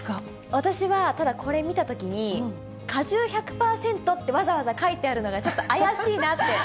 私はただ、これ見たときに、果汁１００％って書いてあるのがちょっと怪しいなって。